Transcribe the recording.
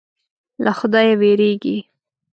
له خدایه وېرېږي.